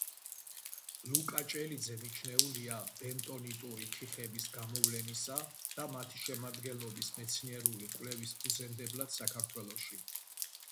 ლუკა ჭელიძე მიჩნეულია ბენტონიტური თიხების გამოვლენისა და მათი შემადგენლობის მეცნიერული კვლევის ფუძემდებლად საქართველოში.